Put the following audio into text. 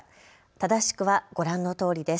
正しくはご覧のとおりです。